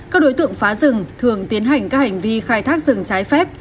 các đối tượng phá rừng thường tiến hành các hành vi khai thác rừng trái phép